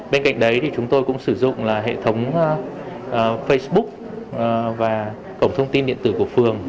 bên cạnh đấy thì chúng tôi cũng sử dụng hệ thống facebook và cổng thông tin điện tử của phường